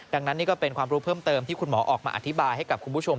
ดังนั้นนี่ก็เป็นความรู้เพิ่มเติมที่คุณหมอออกมาอธิบายให้กับคุณผู้ชม